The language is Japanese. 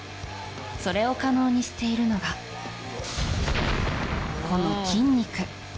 それを可能にしているのがこの筋肉。